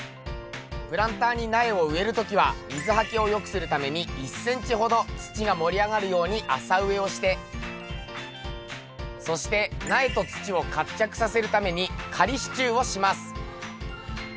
プランターに苗を植える時は水はけをよくするために１ｃｍほど土が盛り上がるように浅植えをしてそして苗と土を活着させるために仮支柱をします。